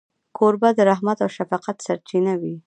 کوربه د رحم او شفقت سرچینه وي.